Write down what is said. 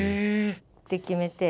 って決めて。